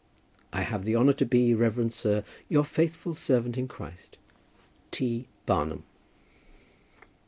I have the honour to be, Reverend Sir, Your faithful servant in Christ, T. BARNUM.